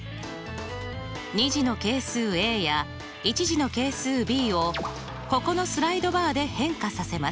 ２次の係数や１次の係数ｂをここのスライドバーで変化させます。